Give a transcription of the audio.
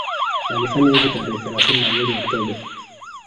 walifanya hivyo tarehe thelathini na moja oktoba